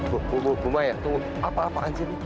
bu maya apa apaan sih ini